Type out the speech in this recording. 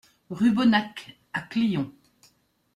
Rue Bonnac à Clion